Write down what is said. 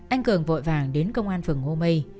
anh cường vội vàng đến công an phường ngô mây